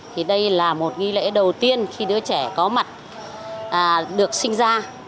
thì đây là một nghi lễ đầu tiên khi đứa trẻ có mặt được sinh ra